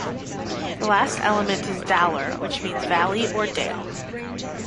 The last element is "dalr" which means "valley" or "dale".